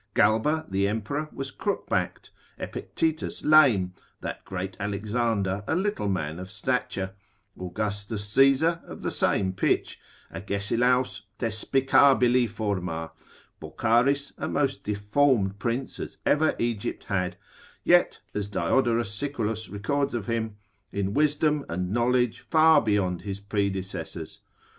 Galba the emperor was crook backed, Epictetus lame: that great Alexander a little man of stature, Augustus Caesar of the same pitch: Agesilaus despicabili forma; Boccharis a most deformed prince as ever Egypt had, yet as Diodorus Siculus records of him, in wisdom and knowledge far beyond his predecessors.